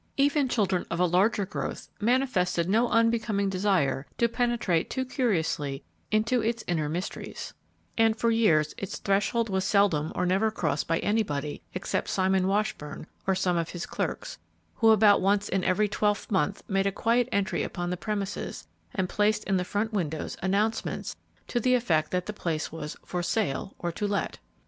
Even children of a larger growth manifested no unbecoming desire to penetrate too curiously into its inner mysteries, and for years its threshold was seldom or never crossed by anybody except Simon Washburn or some of his clerks, who about once in every twelvemonth made a quiet entry upon the premises and placed in the front windows announcements to the effect that the place was "For Sale or To Let."